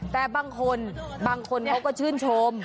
แต่บางคนบางคนเขาก็ชื่นชม